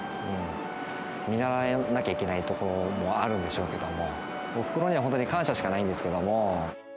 見習わなければならないところもあるんでしょうけど、おふくろには本当に感謝しかないんですけれども。